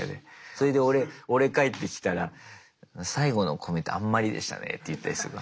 それで俺帰ってきたら「最後のコメントあんまりでしたね」って言ったりするの。